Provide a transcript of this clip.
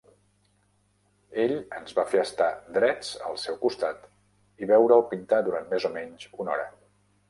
Ell ens va fer estar drets al seu costat i veure'l pintar durant més o menys una hora.